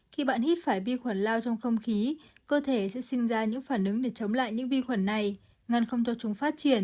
khi bạn hít phải vi khuẩn lao trong không khí cơ thể sẽ sinh ra những phản ứng để chống lại những vi khuẩn này ngăn không cho chúng phát triển